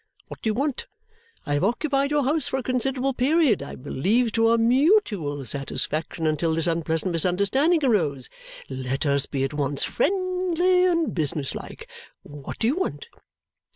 What do you want? I have occupied your house for a considerable period, I believe to our mutual satisfaction until this unpleasant misunderstanding arose; let us be at once friendly and business like. What do you want?'